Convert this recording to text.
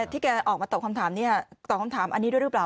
ที่แกออกมาตอบคำถามนี้ตอบคำถามอันนี้ด้วยหรือเปล่า